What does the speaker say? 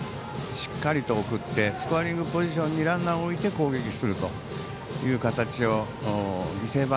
しっかりと送ってスコアリングポジションにランナーを置いて攻撃するという形を犠牲